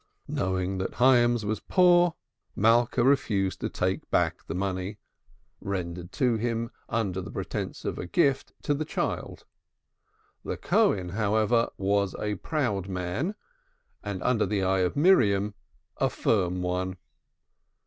Knowing that Hyams was poor, Malka refused to take back the money retendered by him under pretence of a gift to the child. The Cohen, however, was a proud man, and under the eye of Miriam a firm one.